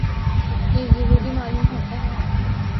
یہ ضروری معلوم ہوتا ہے